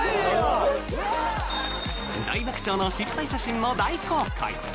大爆笑の失敗写真も大公開！